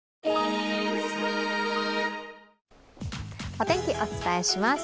お天気、お伝えします。